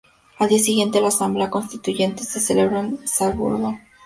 Al día siguiente, la asamblea constituyente se celebró en Salzburgo.